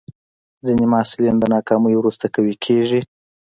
ځینې محصلین د ناکامۍ وروسته قوي کېږي.